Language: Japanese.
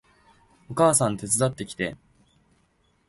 お母さん手伝ってきて